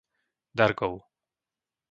Dargov